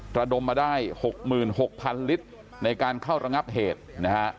ตระดมมาได้หกหมื่นหกพันลิตรในการเข้ารังับเหตุนะฮะ